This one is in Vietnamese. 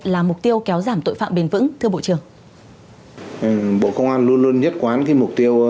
là mục tiêu kéo giảm tội phạm bền vững thưa bộ trưởng bộ công an luôn luôn nhất quán cái mục tiêu